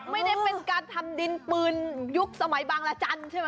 ไม่ได้เป็นการทำดินปืนยุคสมัยบางรจันทร์ใช่ไหม